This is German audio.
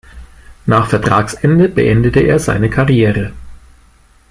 Nach Vertragsende beendete er seine Karriere.